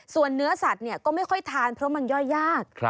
ส่วนเนื้อสัตว์ก็ไม่ค่อยทานเพราะมันย่อยยาก